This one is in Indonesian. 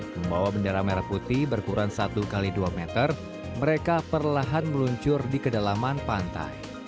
membawa bendera merah putih berkurang satu x dua meter mereka perlahan meluncur di kedalaman pantai